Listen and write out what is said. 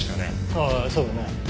ああそうだね。